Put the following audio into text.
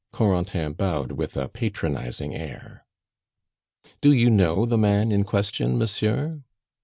Corentin bowed with a patronizing air. "Do you know the man in question, monsieur?"